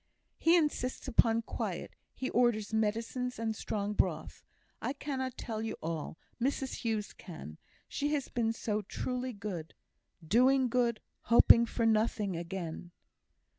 "He insists upon quiet; he orders medicines and strong broth. I cannot tell you all; Mrs Hughes can. She has been so truly good. 'Doing good, hoping for nothing again.'"